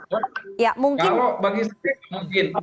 kalau bagi saya mungkin